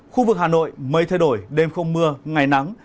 khu vực hà nội mây thay đổi đêm không mưa ngày nắng